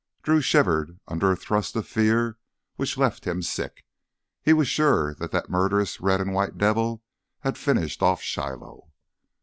Drew shivered under a thrust of fear which left him sick. He was sure that that murderous red and white devil had finished off Shiloh.